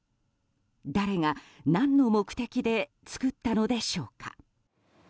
誰が、何の目的で作ったのでしょうか？